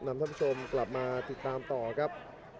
ท่านผู้ชมกลับมาติดตามต่อครับ